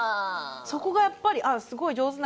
そこがやっぱり「あっすごい上手な子」。